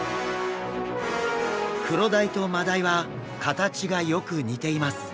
クロダイとマダイは形がよく似ています。